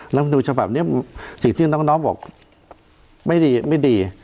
รัฐมนูลสภาพนี้สิ่งที่น้องบอกไม่ดีไม่ดี